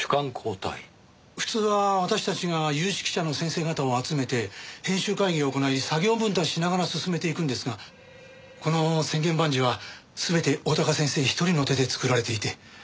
普通は私たちが有識者の先生方を集めて編集会議を行い作業分担しながら進めていくんですがこの『千言万辞』は全て大鷹先生一人の手で作られていて。